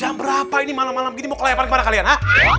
jam berapa ini malam malam gini mau ke layak panik kemana kalian ha